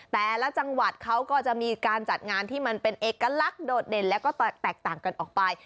แต่ละจังหวัดเขาก็จะมีการจัดงานที่มันเป็นเอกลักษณ์โดดเด่นแล้วก็แตกต่างกันออกไป